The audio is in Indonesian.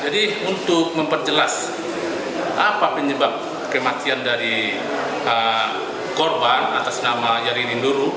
jadi untuk memperjelas apa penyebab kematian dari korban atas nama rery induru